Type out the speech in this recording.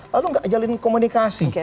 lalu gak jalanin komunikasi